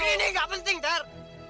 ini gak penting tar